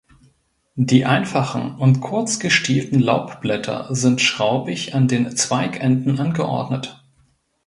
Die einfachen und kurz gestielten Laubblätter sind schraubig an den Zweigenden angeordnet.